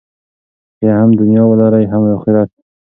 چې هم دنیا ولرئ هم اخرت.